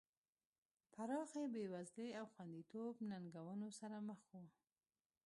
پراخې بېوزلۍ او خوندیتوب ننګونو سره مخ وو.